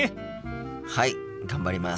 はい頑張ります。